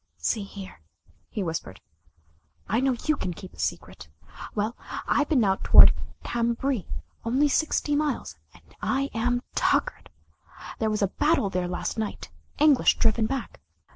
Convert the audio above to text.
"See here," he whispered, "I know you can keep a secret. Well, I've been out toward Cambrai only sixty miles and I am tuckered. There was a battle there last night English driven back.